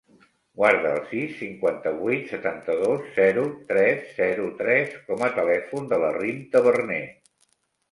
Guarda el sis, cinquanta-vuit, setanta-dos, zero, tres, zero, tres com a telèfon de la Rim Taberner.